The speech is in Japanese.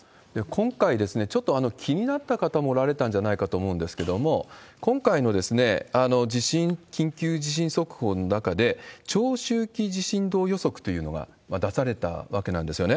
今回、ちょっと気になった方もおられたんじゃないかと思うんですけれども、今回の地震、緊急地震速報の中で、長周期地震動予測というのが出されたわけなんですよね。